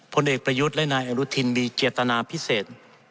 ผลเอกประยุทธ์และนายอนุทินมีเจตนาพิเศษ